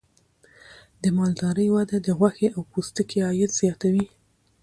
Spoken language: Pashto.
د مالدارۍ وده د غوښې او پوستکي عاید زیاتوي.